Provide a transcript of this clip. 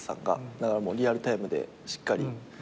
だからリアルタイムでしっかり見てて。